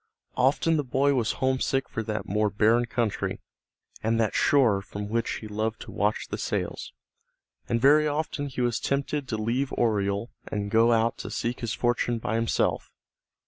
Often the boy was homesick for that more barren country, and that shore from which he loved to watch the sails, and very often he was tempted to leave Oriel and go out to seek his fortune by himself.